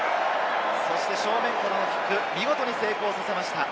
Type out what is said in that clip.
正面からのキック、見事に成功させました。